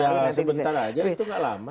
sebentar aja itu tidak lama